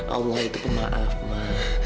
allah itu pemaaf ma